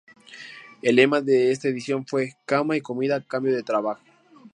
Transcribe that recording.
El lema de esta edición fue: ""Cama y comida a cambio de trabajo"".